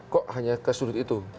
kok hanya ke sudut itu